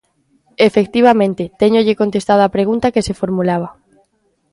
Efectivamente, téñolle contestado á pregunta que se formulaba.